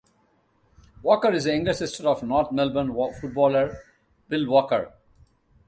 Walker is the younger sister of North Melbourne footballer Will Walker.